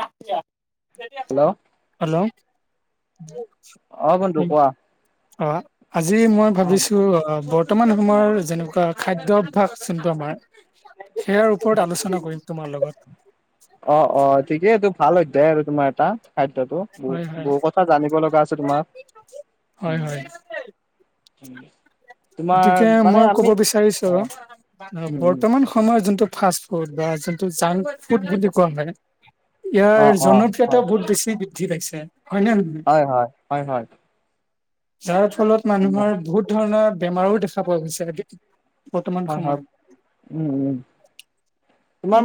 [inaudible] Hello hello. অ বন্ধু কোৱা অ, আজি মই অ ভাবিছো বৰ্তমান সময়ৰ যেনেকুৱা খাদ্যভাস চন্তু আমাৰ অ-অ সেয়াৰ ঠিকেই ওপৰত আলোচনা কৰিম তোমাৰ লগত তোৰ ভাল হয়। [unintelligible] খাদ্যয়টো বহু হয় - হয় বহুত কথা জানিব লগা আছে। তোমাৰ হয় হয় উম। গতিকে মই কব বিচাৰিছো অ উম উম বৰ্তমান সময়ত যোনটো ফাষ্ট ফুড বা যোনটো জাংক ফুড বুলি কোৱা হয়। ইয়াৰ অ অ জনপ্ৰিয়তা হয় বহুত বেছি বৃদ্ধি পাইছে। হয় নে নহয় হয়, হয়, হয়, হয। যাৰ ফলত মানুহৰ বহুত ধৰণৰ বেমাৰো দেখা পোৱা গৈছে আ হ-হ উম-উম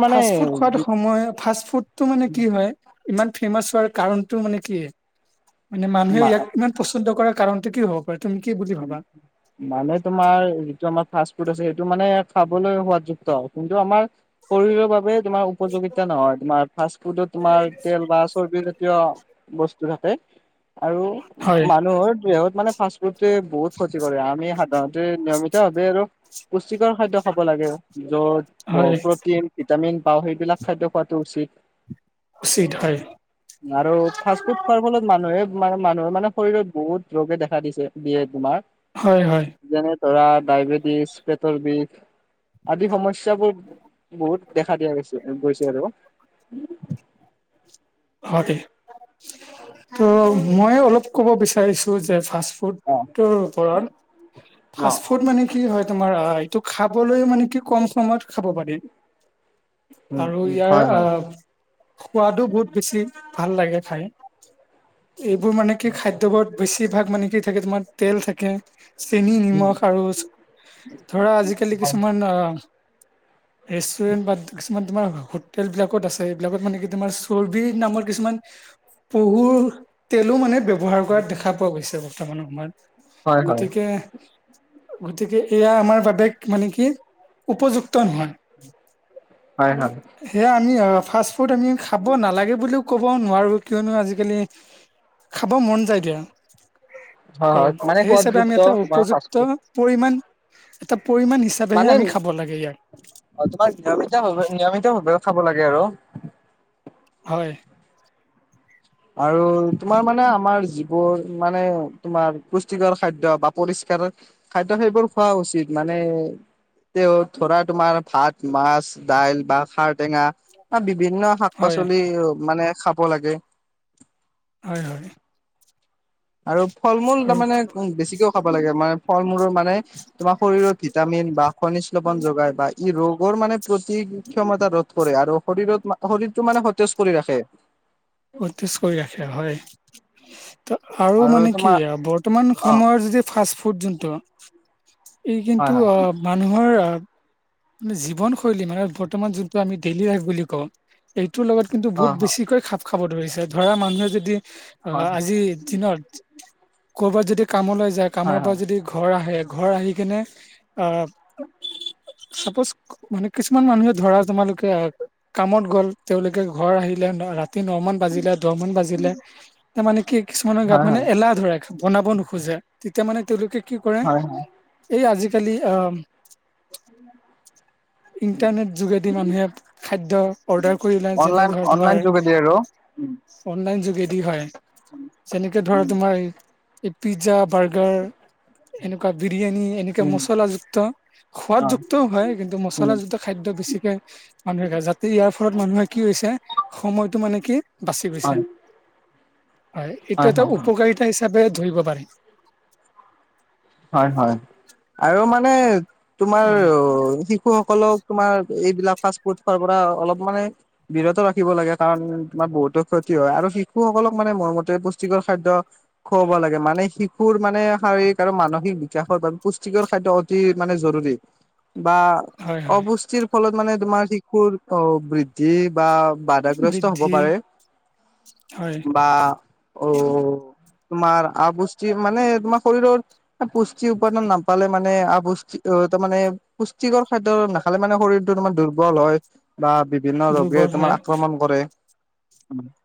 ফাষ্ট ফুড খোৱাটো সময় ফাষ্ট ফুডটো মানে কি হয়? ইমান ফেমাচ হোৱাৰ কাৰণতটো মানে কি মানে মানুহে মা ইয়াক ইমান পচন্দ কৰা কাৰণটো কি হওক উম, মানে তোমাৰ যিটো আমাক ফাৰ্ষ্ট ফুড আছে, সেইটো মানে খাবলৈ সোৱাদযুক্ত। কিন্তু, আমাৰ শৰীৰৰ বাবে তোমাৰ উপযোগিতা নহয়। তোমাৰ ফাৰ্ষ্ট ফুডত তোমাৰ তেল বা চৰ্বি জাতীয় বস্তু থাকে আৰু হয় মানুহৰ দেহত মানে ফাৰ্ষ্ট ফুড বহুত ক্ষতি কৰে। আমি সাধাৰণতে নিয়মিত ভাৱ আৰু পুষ্টিকৰ খাদ্য খাব লাগে য'ত হয় প্ৰটিন ভিটামিন পাওঁ সেইবিলাক খাদ্য খোৱাাতটো উচিত। আৰু ফাৰ্ষ্ট ফুড খোৱাৰ ফলত মানুহে মানে, মানুহৰ মানে শৰীৰত বহুত ৰোগে দেখা দিছে, দিয়ে তোমাৰ। হয়, হয়। যেনে ধৰা ডায়বেটিছ, পেটৰ বিষ আদি সমস্যাবোৰ বহুত। দেখা দিয়া গৈছে গৈছে আৰু উ। হয় দে, মইয়ো অলপ ক'ব বিচাৰিছোঁ যে ফাৰ্ষ্ট ফুডটোৰ ওপৰত অ অ ফাৰ্ষ্ট ফুড মানে কি হয় তোমাৰ আহ। টো খাবলৈ মানে কি কম সময়ত খাব পাৰি। উম আৰু উম ইয়াৰ হয় হয় আহ। সোৱাদো বহুত বেছি ভাল লাগে খায়। এইবোৰ মানে কি খাদ্যয়বোৰত বেছিভাগ মানে কি থাকে তোমাৰ তেল থাকে। চেনি, নিমখ আৰু ধৰা আজিকালি কিছুমান অ' ৰেষ্টুৰেন্ট বা কিছুমান তোমাৰ হোটেল বিলাকত আছে। এইবিলাকত মানে কি তোমাৰ চৰ্বি নামৰ কিছুমান পহুৰ তেলো মানে ব্যৱহাৰ কৰা দেখা পোৱা গৈছে বাৰ। চামানো ঘোমান হয় হয় গতিকে। গতিকে এয়া আমাৰ বাবে মানে কি, উপযুক্ত নহয়। হয় হয় এয়া আমি ফাষ্ট ফুড আমি খাব নালাগে বুলিও ক'ব নোৱাৰো, কিয়নো আজিকালি খাব মন যায় দিয়া। অ' হয় মানে সেই হিচাপে আমি সোৱাদযুক্ত এটা তোমাৰ ফাষ্ট উপযুক্ত ফুড পৰিমান এটা পৰিমাণ হিচাপেহে মানে আমি খাব লাগে ইয়াক অ, তোমাৰ নিয়মিত - নিয়মিত হব। খাব লাগে আৰু। হয়। আৰু তোমাৰ মানে আমাৰ যিবোৰ মানে তোমাৰ পুষ্টিকৰ খাদ্য বা পৰিস্কাৰ কাৰণ খাদ্য সেইবোৰ খোৱা উচিত। মানে তে ধৰা তোমাৰ ভাত, মাছ, দাইল বা খাৰটেঙা বা বিভিন্ন শাক হয় পাচলি মানে খাব লাগে। হয়, হয়। আৰু ফল মূল আৰু তাৰ মানে বেছিকেও খাব লাগে, মানে ফল মূলৰ মানে তোমাৰ শৰীৰৰ ভিটামিন বা খনিজ লবন বা ই ৰোগৰ মানে প্ৰতি ক্ষমতা ৰোধ কৰে, আৰু শৰীৰত শৰীৰটো মানে সতেজ কৰি ৰাখে। খে। সতেজ কৰি ৰাখে হয়। আৰু মানে কি বৰ্তমান অ সময়ৰ যদি ফাষ্ট ফুড যোনটো ই হয় কিন্তু হয় অ' মানুহৰ জীৱনশৈলী মানে বৰ্তমান যোনটো আমি ডেইলি লাইফ বুলি কওঁ, এই তোৰ লগত কিন্তু অ বহুত বেছিকৈ খাপ খাব ধৰিছে, ধৰা মানুহে যদি হয় অ' হয় আজিৰ দিনত কৰ'বাত যদি কামলৈ যায় হয় কামৰ পৰা যদি ঘৰ আহে ঘৰ আহি কিনে আহ চাপ'জ মানে কিছুমান মানুহে ধৰা তোমালোকে আহ কামত গ'ল তেওঁলোকে ঘৰ আহিল লে, ৰাতি ন মান বাজিলে দহ মান বাজিলে ত মানে কি কিছুমানৰ হয় গাত হয় মানে হয় এলাহ ধৰে বনাব নোখোজে, তেতিয়া মানে তেওঁলোকে কি কৰে, হয় হয় এই আজিকালি আহ উম [unintelligible] ইণ্টাৰনেট যোগেদি মানুহে খাদ্য অৰ্ডাৰ কৰিলা যেনে ধৰা তোমাৰ উম। লাইন যোগেদি হয়, যেনেকে ধৰা তোমাৰ পিজা বাৰ্গাৰ, এনেকুৱা বি বিৰিয়ানী এনেকে উম মচলাযুক্ত অ সোৱাদযুক্তও হয় কিন্তু উম মচলাযুক্ত খাদ্য বেছিকে মানেহে [unintelligible] মানুহে যাতে ইয়াৰ ফলত মানুহে কি হৈছে সময়টো মানে কি বাচি গৈছে, হয় হয় এইটো এটা হয় হয় উপকাৰিতা হিচাপ যে ধৰিব পাৰে। হয়, হয় আৰু মানে তোমাৰ হয় শি শিশুসকলক তোমাৰ এইবিলাক ফাষ্ট ফুড খোৱাৰ পৰা অলপ মানে বিৰত ৰাখিব লাগে কাৰণ বহুতো ক্ষতি হয় আৰু শিশুসকলক মানে মোৰ মতে পুষ্টিকৰ খাদ্য খুৱাব লাগে মানে শিশুৰ মানে শাৰীৰিক আৰু মানসিক বিকাশৰ বাবে পুষ্টিকৰ খাদ্য অতি মানে জৰুৰী বা হয় হয় অৱষ্টিৰ ফলত মানে তোমাৰ শিশুৰ অ বৃদ্ধি বা বাধাগ্ৰস্ত হব বৃদ্ধি পাৰে হয় বা অ তোমাৰ আবষ্টি মানে তোমাৰ শৰীৰৰ পুষ্টি উপাদান নাপালে মানে মানে আপুষ্টি তাৰ মানে পুষ্টিকৰ খাদ্য‌ নাখালে মানে শৰীৰটো‌ তোমাৰ দুৰ্বল হয় বা বিভিন্ন ৰোগে দুৰ্বল তোমাৰ হয় আক্ৰমণ কৰে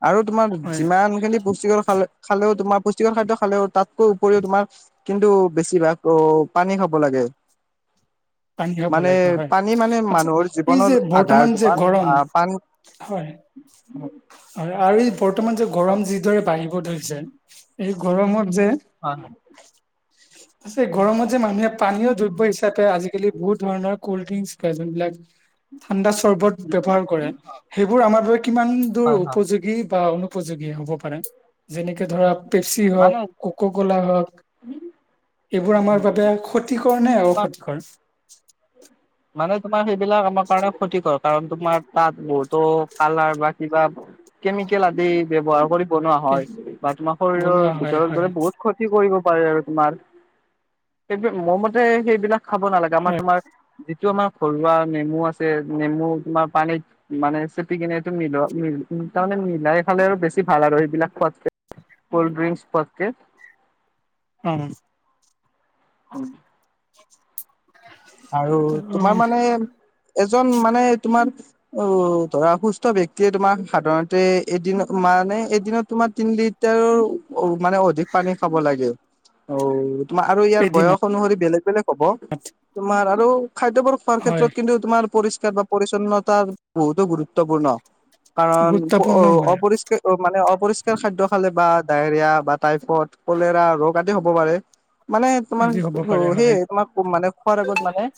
আৰু তোমাৰ হয় যিমানখিনি পুষ্টিকৰ খালে খালেও তোমাৰ পুষ্টিকৰ খাদ্য খালেও তাতকৈ উপৰিও তোমাৰ কিন্তু বেছিভাগ অ পানী খাব লাগে পানী খাব মানে লাগে হয় পানী মানে আচ্ছা মানুহৰ এই জীৱনৰ যে আধাৰ বৰ্তমান যে তোমাৰ গৰম আহ পানী হয় হয় আৰু বৰ্তমান যে গৰম যিদৰে বাঢ়িব ধৰিছে এই গৰমত অ ন হৈ ই গৰমত যে মানুহে পানীও [unintelligible] আজিকালি বহুত ধৰণৰ কোল্ড ড্ৰিংক খাই যোনবিলাক ঠাণ্ডা চৰ্বত ব্যৱহাৰ কৰে সেইবোৰ আমাৰ বাবে কিমান দূৰ হয় হয় উপযোগী বা উনোপযোগী হ'ব পাৰে যেনেকে ধৰা পেপচি হওক মানে কক কলা হওক এইবোৰ আমাৰ তোমাৰ বাবে ক্ষতিকৰনে অ ক্ষতিকৰন মানে তোমাৰ সেইবিলাক আমাৰ কাৰণে ক্ষতিকৰন কাৰণ তোমাৰ তাত বহুতো কালাৰ বা কিবা কেমিকেল আদি ব্যৱহাৰ কৰি বনোৱা হয় বা তোমাৰ শৰীৰৰ বনোৱা হয় ভিতৰত হয় গলে বহুত ক্ষতি কৰিব আৰু তোমাৰ সেইটোয়ে মোৰ মতে সেইবিলাক খাব নালাগে আমাৰ তোমাৰ যিটো আমাৰ ঘৰুৱা নেমু আছে নেমু তোমাৰ পানীত মানে চেপি কিনে টো মিল মিল তাৰমানে মিলাই খালে আৰু বেছি ভাল আৰু সেইবিলাক খোৱাত কল্ড ড্ৰিংকস খোৱাতকে উম হয় কি‌‌ ঠিক আৰু তোমাৰ মানে এজন মানে তোমাৰ অ ধৰা সুস্থ ব্যক্তিয়ে তোমাৰ সাধাৰণতে এদিন মানে এদিনত তোমাৰ তিনিদিন তেওঁৰ মানে অধিক পানী খাব লাগে অ তোমাৰ আৰু ইয়াৰ এদিনত বয়স অনুসৰি বেলেগ বেলেগ হ'ব তোমাৰ আৰু খাদ্যবোৰ খোৱাৰ হয় ক্ষেত্ৰত কিন্তু তোমাৰ পৰিষ্কাৰ বা পৰিছন্নতাৰ বহুতো গুৰুত্বপূৰ্ণ কাৰণ গুৰুত্বপূৰ্ণ হয় অপৰিষ্কাৰ মানে অপৰিষ্কাৰ খাদ্য খালে বা ডায়েৰিয়া বা টাইফড কলেৰা ৰোগ আদি হ'ব পাৰে মানে তোমাৰ আজি হ'ব পাৰে সুধি হয় তোমাৰ মানে খোৱাৰ আগত মানে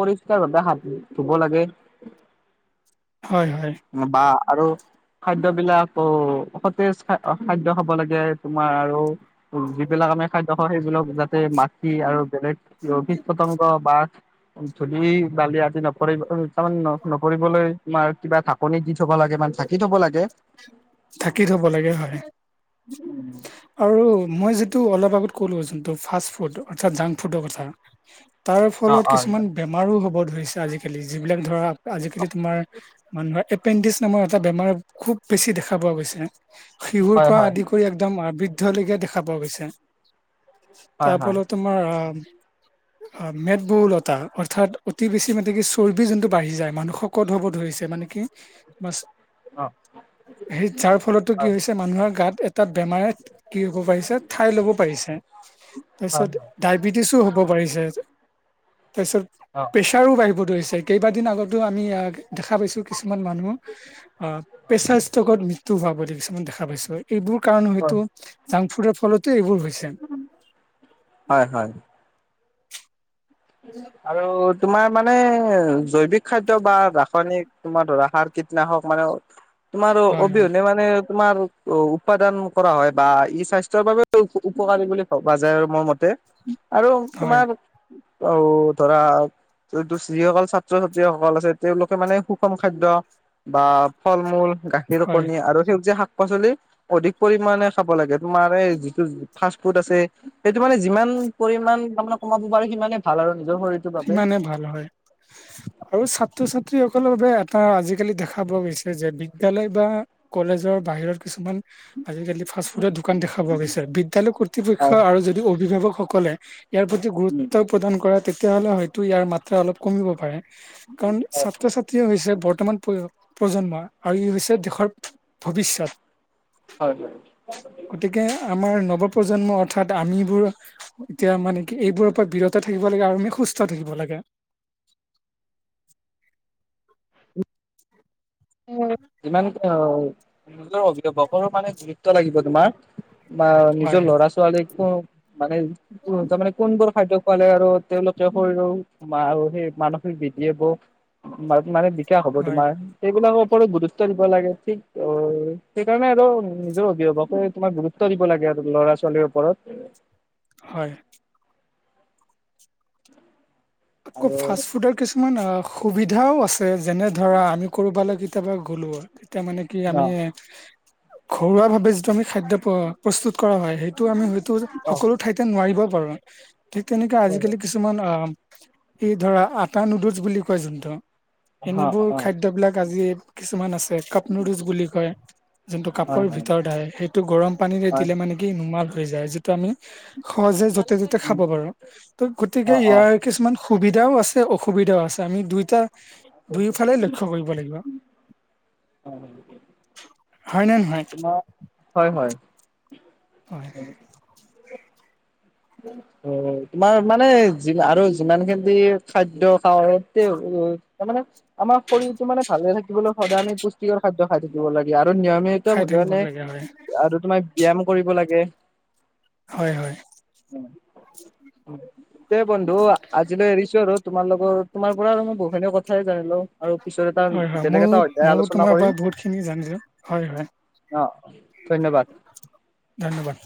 পৰিষ্কাৰ ভাবে হাত ধুব লাগে হয় হয় বা আৰু খাদ্য‌ বিলাক সতেজ খাদ্য খাব লাগে তোমাৰ আৰু যিবিলাক আমি খাদ্য খাওঁ সেইবিলাক যাতে মাটি আৰু বেলেগ কীট পতংগ বা ধুলি বালি আদি নপৰি তাৰমান নপৰিবলৈ তোমাৰ কিবা ঢাকনি দি থব লাগে মানে ঢাকি থব লাগে থাটি লব লাগে হয় আৰু মই যিটো অলপ আগত ক'লো যোনটো ফাচ‌ট ফোটো অৰ্থাৎ জাংক ফোটোৰ কথা তাৰ অ ফলত অ কিছুমান বেমাৰো হ'ব ধৰিছে আজিকালি যিবিলাক ধৰা আজিকালি তোমাৰ মানুহৰ এপেনডিকস নামৰ এটা বেমাৰ খুব বেছি দেখা পোৱা গৈছে শিশুৰ হয় পৰা হয় আদি কৰি একদম আবৃদ্ধলৈকে দেখা পোৱা গৈছে হয় হয় তাৰপল তোমাৰ আহ অ মেদবহুলতা অৰ্থাৎ অতি বেছি মানে কি চৰ্বি যোনটো বাঢ়ি যায় মানুহ শ কত হ'ব ধৰিছে ন [unintelligible] অ স যাৰ ফলতো কি হয় হৈছে মানুহৰ গাত এটা বেমাৰে কি হব পাৰিছা ঠাই ল'ব পাৰিছে হয় তাৰপিছত হয় ডায়বেটিছো হ'ব [unintelligible] অ প্ৰেছাৰো বাঢ়িব ধৰিছে কেইবাদিন আগতো আমি দেখা পাইছোঁ কিছুমান মানুহ প্ৰেছাৰ ষ্টকত ম হোৱা বুলি কিছুমান দেখা পাইছো এইবোৰ কাৰণে হয় হয়তো জাংকুডৰ ফলতো এইবোৰ হৈ হয় হয় আৰু তোমাৰ মানে জৈৱিক খাদ্য বা ৰাসায়নিক তোমাৰ ধৰা সাৰ কীটনাশক মানে তোমাৰ হয় হয় অবিহনে মানে তোমাৰ অ উপাদান কৰা হয় বা ই স্বাস্থ্যৰ বাবে উপকাৰী বুলি ভাবা যায় আৰু মোৰ মতে আৰু হয় তোমাৰ অ ধৰা যিসকল ছাত্ৰ ছাত্ৰীসকল আছে তেওঁলোকে মানে সুষম খাদ্য বা ফল মূল গাখীৰ হয় কণী আৰু সেউজিয়া শাক শাক পাচলি অধিক পৰিমাণে খাব লাগে তোমাৰ এই যিটো ফাষ্ট ফুড আছে সেইটো মানে যিমান পৰিমাণ তামানে কমাব পাৰো সিমানে ভাল আৰু নিজৰ শৰীৰটোৰ বাবে সিমানে ভাল হয় আৰু ছাত্ৰ ছাত্ৰীসকলৰ বাবে আজিকালি দেখা পোৱা গৈছে যে বিদ্যালয় বা কলেজৰ বাহিৰত কিছুমান আজিকালি ফাষ্ট ফুডৰ দোকান দেখাব গৈছে বিদ্যালয় কৰ্তৃপক্ষ হয় আৰু যদি অভিভাৱকসকল সকলে ইয়াৰ প্ৰতি উম গুৰুত্ব প্ৰদান কৰে তেতিয়াহলে হয়তো ইয়াৰ মাত্ৰা অলপ কমিব পাৰে কাৰণ ছাত্ৰ ছাত্ৰী হৈছে বৰ বৰ্তমান প্ৰ প্ৰজন্ম আৰু ই হৈছে দেশৰ ভৱিষ্যত হয় গতিকে আমাৰ নৱপ্ৰজন্ম অৰ্থাৎ আমিবোৰ এতিয়া মানে কি এইবোৰৰ পৰা বিৰত থাকিব লাগে আৰুমি সুস্থ থাকিব লাগে ইমান নিজৰ অভিভাৱকৰো মানে, গুৰুত্ব লাগিব তোমাৰ। বা হয় নিজৰ ল'ৰা ছোৱালীোন অ মানে কোনবোৰ খাদ্য খালে আৰু তেওঁলোকে শৰীৰৰ সেই মানসিক বিৃদ্ধিয়ে বোৰ মানে বিকাশ হ'ব হয় তোমাৰ অভিভাৱক গুৰুত্ব দিব লাগে ঠিক সেইকাৰণে আৰু নিজৰ অভিভাৱকে তোমাক গুৰুত্ব দিব লাগে আৰু ল'ৰা ছোৱালীৰ ওপৰত হয় আকৌ আৰু ফাষ্ট ফুডৰ কিছুমান সুবিধাও আছে যেনে ধৰা আমি কৰবালৈ কেতিয়াবা গ'লো তেতিয়া মানে কি আমি অ ঘৰুৱা ভাৱে যিটো আমি খাদ্য প্ৰস্তুত কৰা হয় সেইটো আমি হয়তো অ সকলো ঠাইতে নোৱাৰিব ঠিক তেনেকে আজিকালি কিছুমান আহ ই ধৰা আটা নুডলছ বুলি কয় যোনটো এনেবোৰ অ অ খাদ্যবলাক আজি কিছুমান আছে কাপনৰুজ বুলি কয় যোনটো হয় কাপোৰ হয় ভিতৰত আহে সেইটো গৰম পানীৰে হয় দিলে মানে কি নোমাল হৈ যায় আমি সহজে য'তে য'তে উম খাব পাৰো ত অ গতিকে অ ইয়াৰ কিছুমান সুবিধাও আছে অসুবিধাও আছে আমি দুয়োটা দুয়োফালে লক্ষ্য কৰিব লাগিব হয় নে নহয় হয় হয় হয় অ তোমাৰ মানে যি আৰু যিমান খিনি খাদ্যয় খাও তামানে আমাৰ শৰীৰতটো মানে ভালে থাকিবলৈ সদায় আমি পুষ্টিকৰ খাদ্য খাই থাকিব লাগে আৰু আৰু নিয়মিত খাই হ থাকিব মানে লাগে হয় আৰু তোমাৰ ব্যায়াম কৰিব লাগে হয় হয় তে বন্ধ আজিলৈ ঈশৰ তোমাৰ লগত তোমাৰ পৰা আৰু মই বহুখিনিয়ে কথাই জানিলোঁ। আৰু পিছত এটা হয় হয় বেলেগ ময়ো এটা অধ্যায় ময়ো আলোচনা তোমাৰ পৰা কৰিম। বহুতখিনি জানিলোঁ হয় হয় অ ধন্যবাদ। ধন্যবাদ।